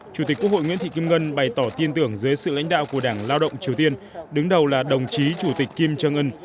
chủ tịch quốc hội nguyễn thị kim ngân bày tỏ tin tưởng dưới sự lãnh đạo của đảng lao động triều tiên đứng đầu là đồng chí chủ tịch kim trương ngân